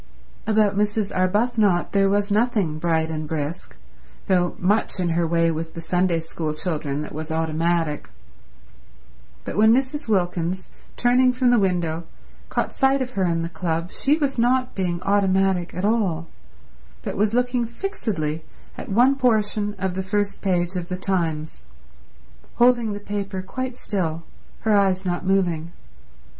About Mrs. Arbuthnot there was nothing bright and brisk, though much in her way with the Sunday School children that was automatic; but when Mrs. Wilkins, turning from the window, caught sight of her in the club she was not being automatic at all, but was looking fixedly at one portion of the first page of The Times, holding the paper quite still, her eyes not moving.